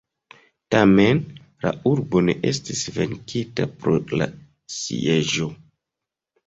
Tamen la urbo ne estis venkita pro la sieĝo.